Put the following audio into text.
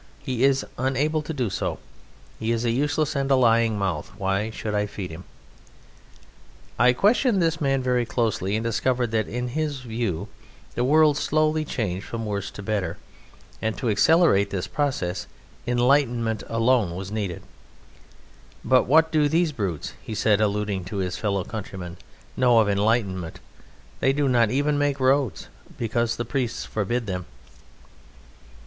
He is unable to do so. He is a useless and a lying mouth, why should I feed him?" I questioned this man very closely, and discovered that in his view the world slowly changed from worse to better, and to accelerate this process enlightenment alone was needed. "But what do these brutes," he said, alluding to his fellow countrymen, "know of enlightenment? They do not even make roads, because the priests forbid them."